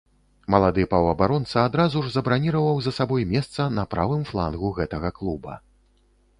Малады паўабаронца адразу ж забраніраваў за сабой месца на правым флангу гэтага клуба.